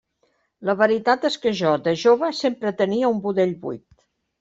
La veritat és que jo, de jove, sempre tenia un budell buit.